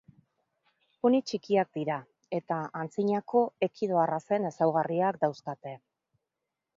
Poni txikiak dira eta antzinako ekido arrazen ezaugarriak dauzkate.